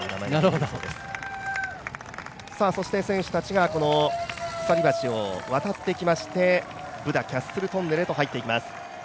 そして、選手たちがこの鎖橋を渡ってきまして、ブダ・キャッスル・トンネルへと入っていきます。